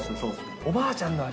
おばあちゃんの味。